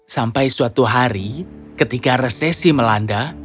sampai suatu hari ketika resesi melanda